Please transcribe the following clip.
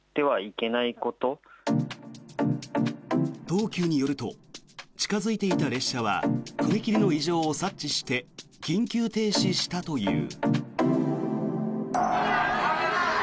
東急によると近付いていた列車は踏切の異常を察知して緊急停止したという。